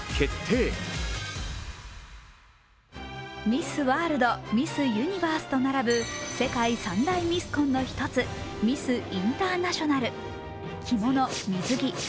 ミス・ワールド、ミス・ユニバースと並ぶ世界三大ミスコンの１つミス・インターナショナル。